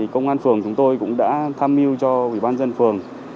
công an phường chúng tôi cũng đã tham mưu cho ủy ban dân phường